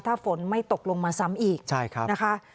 ถ้าฝนไม่ตกลงมาซ้ำอีกนะฮะใช่ครับ